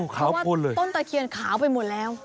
ขาวพลเลยเพราะว่าต้นตะเคียนขาวไปหมดแล้ว